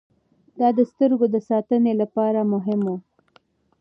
دا د سترګو د ساتنې لپاره هم و.